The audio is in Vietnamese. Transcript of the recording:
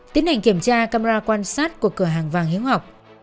tiến hành kiểm tra camera quan sát của cửa hàng vàng hiếu học